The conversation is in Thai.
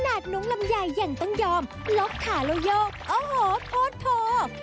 ขนาดน้องลำใหญ่อย่างต้องยอมล๊อคขาโลโยโอ้โฮโทษโทษ